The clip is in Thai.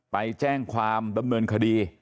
ไปแจ้งความดำเนินคดี